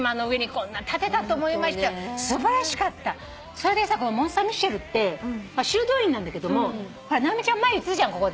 それでモンサンミシェルって修道院なんだけどもほら直美ちゃん前言ってたじゃんここ。